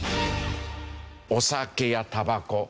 お酒やたばこ